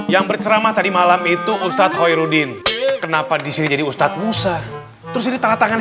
yang berceramah tadi malam itu ustadz hoirudin kenapa di sini jadi ustadz musa terus ditangan tangan